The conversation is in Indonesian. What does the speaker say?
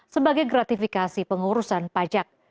sebagai gratifikasi pengurusan pajak